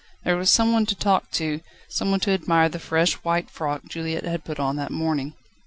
There was some one to talk to, someone to admire the fresh white frock Juliette had put on that morning.